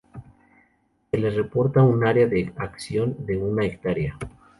Se le reporta un área de acción de una hectárea.